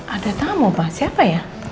ada tamu pak siapa ya